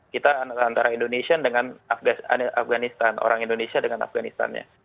kita antara orang indonesia dengan afganistan